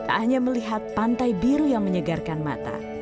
tak hanya melihat pantai biru yang menyegarkan mata